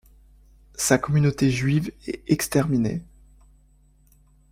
Sa communauté juive est exterminée.